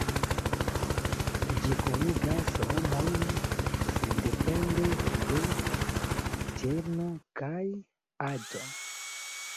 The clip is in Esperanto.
Ĝi kunigas homojn sendepende de ĝenro kaj aĝo.